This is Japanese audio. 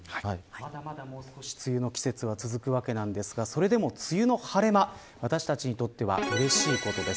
まだまだもう少し梅雨の季節は続きますが梅雨の晴れ間、私たちにとってはうれしいことです。